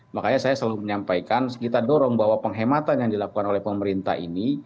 makanya saya selalu menyampaikan kita dorong bahwa penghematan yang dilakukan oleh pemerintah ini